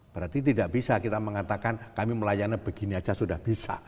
berarti tidak bisa kita mengatakan kami melayani begini saja sudah bisa